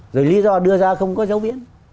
rồi lý do đưa ra không có giáo viên